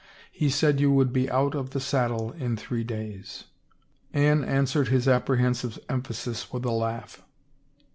He said you would be out of the saddle in three days." Anne answered his apprehensive emphasis with a laugh.